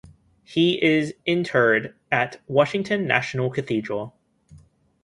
He is interred at Washington National Cathedral.